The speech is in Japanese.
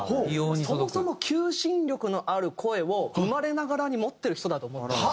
そもそも求心力のある声を生まれながらに持ってる人だと思ってるんで。